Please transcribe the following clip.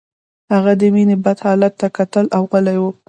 هغه د مينې بد حالت ته کتل او غلی و